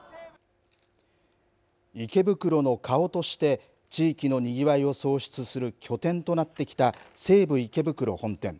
池袋の顔として地域のにぎわいを創出する拠点となってきた西武池袋本店。